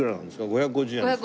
５５０円ですか？